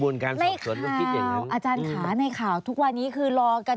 แล้วอาจารย์ขาในข่าวทุกวันนี้คือรอการ